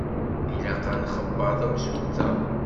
Ilaq ad nxebber tamsulta.